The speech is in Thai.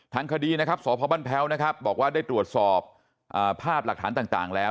ทั้งคดีสพแพ้วบอกว่าได้ตรวจสอบภาพหลักฐานต่างแล้ว